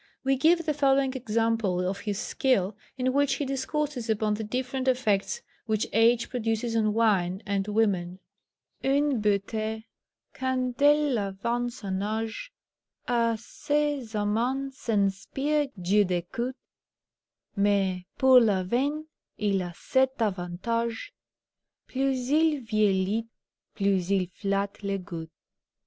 We give the following example of his skill, in which he discourses upon the different effects which age produces on wine and women: "Une beauté, quand elle avance en âge, A ses amans inspire du dégoût; Mais, pour le vin, il a cet avantage, Plus il vieillit, plus il flatte le goût."